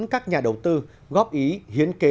các nhà đầu tư góp ý hiến kế